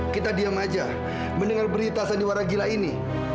kita diam saja mendengar berita saniwara gila ini